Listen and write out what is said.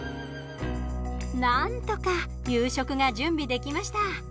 なんとか夕食が準備できました。